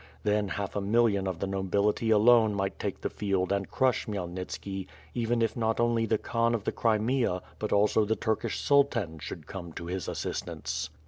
Tlien half a million of the nobility alone might take the field and crush Khmyelnitski, even if not only the Khan of the Oimea, but also the Turkish Sultan, should come to his as sistance.